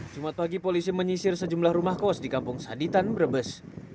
jumat pagi polisi menyisir sejumlah rumah kos di kampung saditan brebes